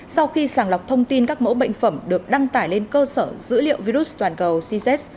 sau khi sàng lọc thông tin các mẫu bệnh phẩm được đăng tải lên cơ sở dữ liệu virus toàn cầu cz